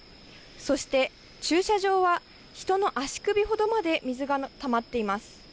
そして駐車場は人の足首ほどまで水がたまっています。